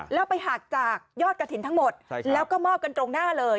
แล้วไปหักจากยอดกระถิ่นทั้งหมดแล้วก็มอบกันตรงหน้าเลย